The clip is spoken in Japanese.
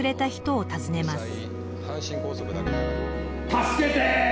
「助けて！」